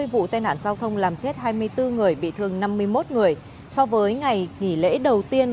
hai vụ tai nạn giao thông làm chết hai mươi bốn người bị thương năm mươi một người so với ngày nghỉ lễ đầu tiên